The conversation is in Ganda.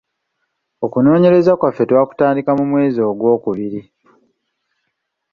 Okunoonyereza kwaffe twakutandika mu mwezi Ogwokubiri.